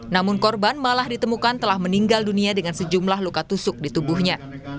namun korban malah ditemukan telah meninggal dunia dengan sejumlah luka tusuk di tubuhnya